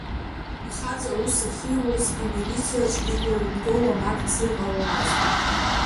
Лхаҵа аус ахьиуаз амилициаҿ игәра рымго уамак дзыҟаломызт.